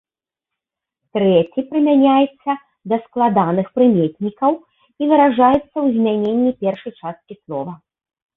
Трэці прымяняецца да складаных прыметнікаў і выражаецца ў змяненні першай часткі слова.